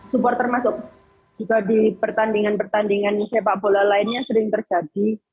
support termasuk juga di pertandingan pertandingan sepak bola lainnya sering terjadi